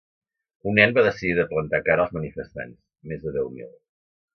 Un nen va decidir de plantar cara als manifestants, més de deu mil.